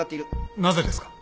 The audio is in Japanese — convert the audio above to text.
なぜですか？